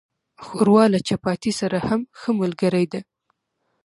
ښوروا له چپاتي سره هم ښه ملګری ده.